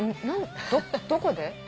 何どこで？